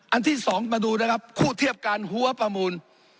ที่สองมาดูนะครับคู่เทียบการหัวประมูล